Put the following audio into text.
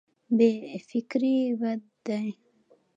بې فکري بد دی.